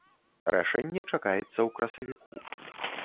Рашэнне чакаецца ў красавіку.